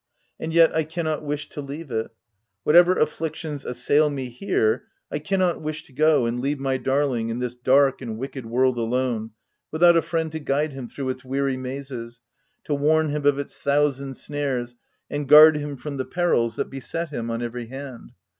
And yet, I cannot wish to leave it : whatever afflictions assail me here, I cannot wish to go and leave my darling in this dark and wicked world alone, without a friend to guide him through its weary mazes, to warn him of its thousand snares, and guard him from the perils that beset him on every hand.